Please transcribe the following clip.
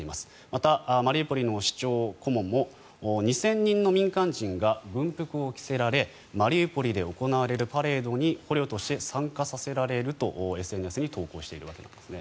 また、マリウポリの市長顧問も２０００人の民間人が軍服を着せられマリウポリで行われるパレードに捕虜として参加させられるとＳＮＳに投稿しているわけです。